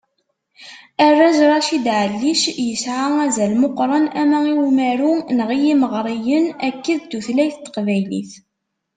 Arraz Racid Ɛellic yesɛa azal meqqren ama i umaru, neɣ i yimeɣriyen, akked tutlayt n teqbaylit.